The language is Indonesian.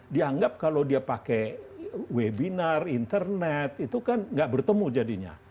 dianggap kalau dia pakai webinar internet itu kan nggak bertemu jadinya